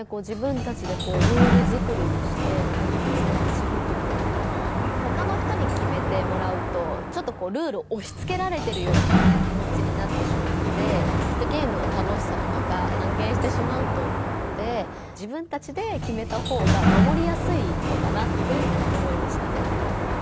自分たちでこうルール作りをして解決にみちびくというかほかの人に決めてもらうとちょっとこうルールをおしつけられてるような気もちになってしまってきっとゲームの楽しさとかが半減してしまうと思うので自分たちで決めた方がまもりやすいのかなって思いましたね。